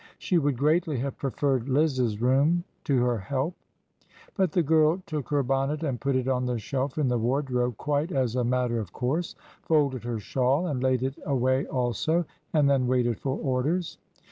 She would greatly have preferred Liz's room to her help. But the girl took her bonnet and put it on the shelf in the wardrobe quite as a matter of course, folded her shawl and laid it away also, and then waited for orders.